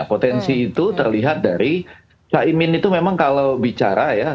potensi itu terlihat dari caimin itu memang kalau bicara ya